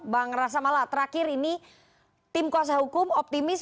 bang rasamala terakhir ini tim kuasa hukum optimis